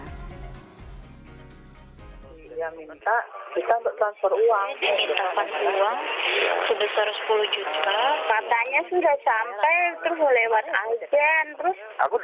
sebesar sepuluh juta katanya sudah sampai terus melewat agen terus